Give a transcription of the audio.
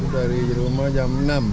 dari rumah jam enam